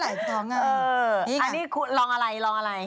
อันนี้คุณลองอะไรลองอะไร